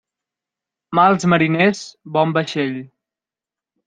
Mals mariners, bon vaixell.